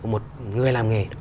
một người làm nghề